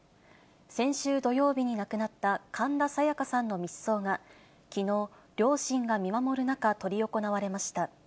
先週土曜日に亡くなった神田沙也加さんの密葬が、きのう、両親が見守る中、執り行われました。